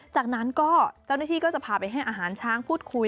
จากนั้นก็เจ้าหน้าที่ก็จะพาไปให้อาหารช้างพูดคุย